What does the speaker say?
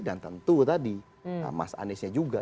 dan tentu tadi mas anis nya juga